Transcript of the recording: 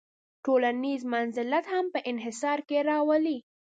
ټولنیز منزلت هم په انحصار کې راولي.